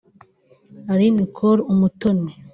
Aline Cool Umutoni